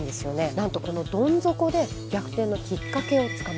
なんとこのどん底で逆転のきっかけをつかみます。